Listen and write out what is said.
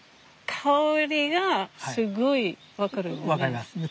香りがすごい分かるよね。